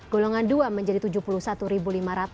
golongan dua menjadi rp tujuh puluh satu lima ratus